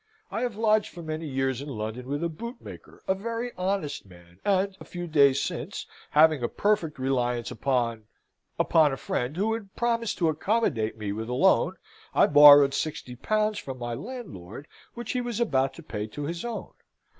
I have lodged for many years in London with a bootmaker, a very honest man: and, a few days since, having a perfect reliance upon upon a friend who had promised to accommodate me with a loan I borrowed sixty pounds from my landlord which he was about to pay to his own.